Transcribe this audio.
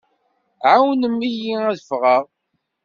Ɛawnem-iyi ad ffɣeɣ.